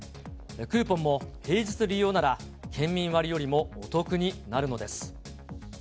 クーポンも平日利用なら、県民割よりもお得になるのです。